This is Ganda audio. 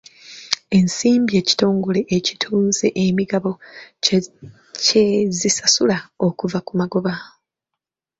Ensimbi ekitongole ekitunze emigabo kye zisasula okuva ku magoba.